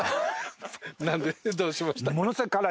なんでどうしました？